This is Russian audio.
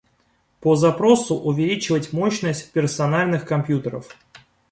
По запросу увеличивать мощность персональных компьютеров